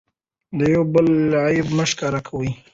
د یو بل عیب مه ښکاره کوئ.